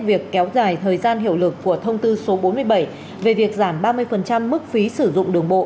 việc kéo dài thời gian hiệu lực của thông tư số bốn mươi bảy về việc giảm ba mươi mức phí sử dụng đường bộ